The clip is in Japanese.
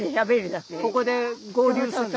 ここで合流するの？